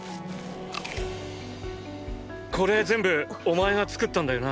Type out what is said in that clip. これ全部お前が作ったんだよな？